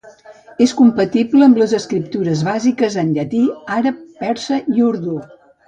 És compatible amb les escriptures bàsiques en llatí, àrab, persa i urdú.